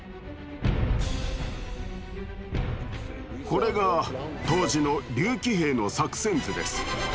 これが当時の竜騎兵の作戦図です。